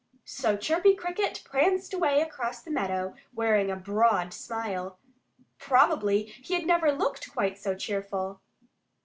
So Chirpy Cricket pranced away across the meadow, wearing a broad smile. Probably he had never before looked quite so cheerful.